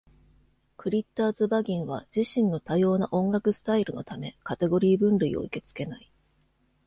クリッターズ・バギンは自身の多様な音楽スタイルのため、カテゴリー分類を受け付けない。